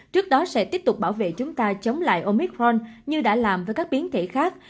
trước đó sẽ tiếp tục bảo vệ chúng ta chống lại omitron như đã làm với các biến thể khác